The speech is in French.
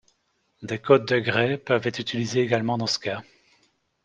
Des codes de Gray peuvent être utilisés également dans ce cas.